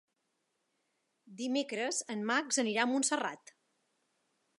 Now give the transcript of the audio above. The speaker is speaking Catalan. Dimecres en Max anirà a Montserrat.